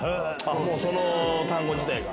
その単語自体が。